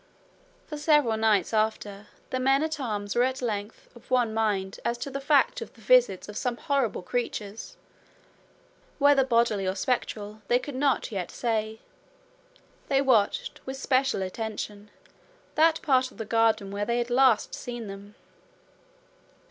For several nights after the men at arms were at length of one mind as to the fact of the visits of some horrible creatures, whether bodily or spectral they could not yet say, they watched with special attention that part of the garden where they had last seen them.